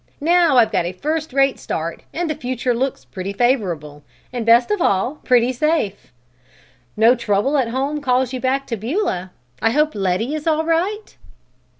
Now I've got a first rate start and the future looks pretty favorable, and best of all, pretty safe. No trouble at home calls you back to Beulah? I hope Letty is all right?"